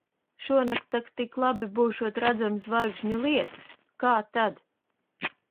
Šonakt tak tik labi būšot redzams zvaigžņu lietus. Kā tad!